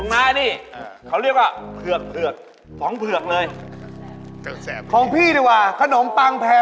วันนี้หนูรู้แล้วว่าหนูจะมาซื้ออะไร